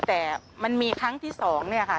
แต่มันมีครั้งที่๒เนี่ยค่ะ